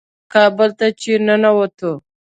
کابل ته چې ننوتو.